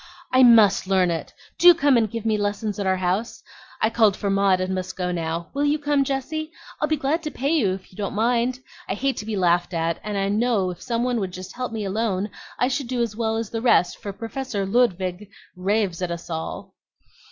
"I MUST learn it! Do come and give me lessons at our house. I called for Maud and must go now. Will you come, Jessie? I'll be glad to pay you if you don't mind. I hate to be laughed at; and I know if some one would just help me alone I should do as well as the rest, for Professor Ludwig raves at us all."